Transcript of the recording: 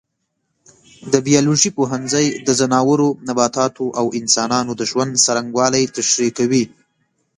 د بیولوژي پوهنځی د ځناورو، نباتاتو او انسانانو د ژوند څرنګوالی تشریح کوي.